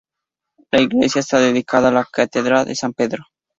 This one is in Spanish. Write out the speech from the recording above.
La iglesia está dedicada a La Cátedra de San Pedro.